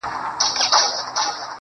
په هره سيمه کي به يې